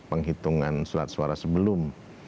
penghitungan surat suara sebelum